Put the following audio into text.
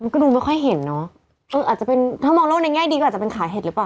ก็ดูไม่ค่อยเห็นน่ะอาจจะเป็นถ้ามองโลกแว่งง่ายดีกว่าจะเป็นขาเห็ดหรือปว่ะ